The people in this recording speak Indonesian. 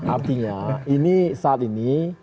artinya ini saat ini